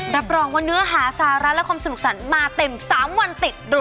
รับรองว่าเนื้อหาสาระและความสนุกสนานมาเต็ม๓วันติดรัว